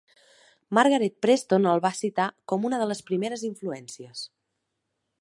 Margaret Preston el va citar com a una de les primeres influències.